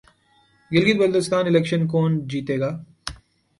Gilgit Baltistan election کون جیتےگا